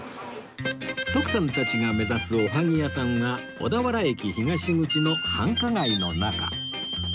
徳さんたちが目指すおはぎ屋さんは小田原駅東口の繁華街の中